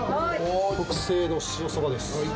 特製の塩そばです。